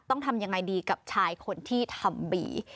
ต้องทำยังไงดีกับชายคนที่ทำบี